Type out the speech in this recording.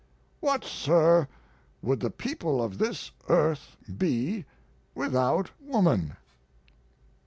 ] What, sir, would the people of this earth be without woman?